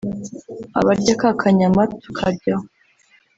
abarya kakanyama tukaryaho